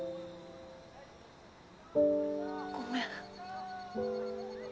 ごめん。